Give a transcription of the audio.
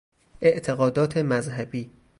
اعتقادات مذهبی